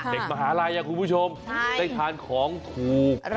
เด็กมหาลายนะคุณผู้ชมได้ทานของถูง